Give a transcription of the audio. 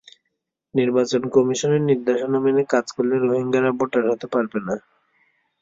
নির্বাচন কমিশনের নির্দেশনা মেনে কাজ করলে রোহিঙ্গারা ভোটার হতে পারবে না।